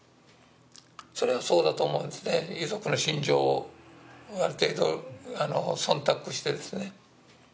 それはそうだと思うんですね、遺族の心情をある程度忖度してですね。